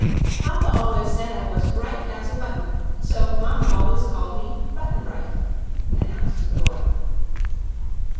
"Papa always said I was bright as a button, so mama always called me Button Bright," announced the boy.